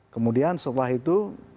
kemudian setelah itu